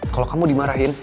kalo kamu dimarahin